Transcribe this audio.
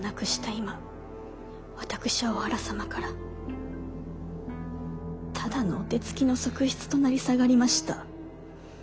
今私はお腹様からただのお手付きの側室と成り下がりました。